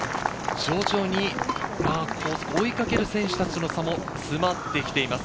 徐々に追いかける選手たちとの差も詰まってきています。